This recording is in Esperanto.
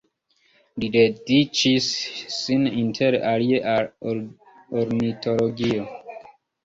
Li dediĉis sin inter alie al ornitologio.